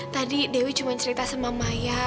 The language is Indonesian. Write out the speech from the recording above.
tadi dewi cuman cerita sama maya